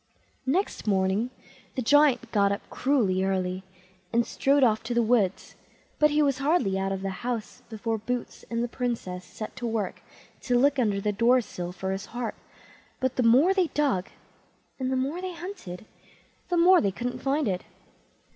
Next morning the Giant got up cruelly early, and strode off to the wood; but he was hardly out of the house before Boots and the Princess set to work to look under the door sill for his heart; but the more they dug, and the more they hunted, the more they couldn't find it.